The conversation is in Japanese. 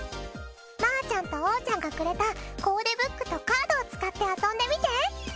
まーちゃんとおーちゃんがくれたコーデブックとカードを使って遊んでみて。